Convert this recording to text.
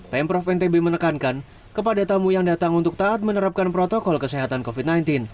pemprov ntb menekankan kepada tamu yang datang untuk taat menerapkan protokol kesehatan covid sembilan belas